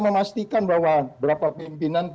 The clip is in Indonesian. memastikan bahwa berapa pimpinan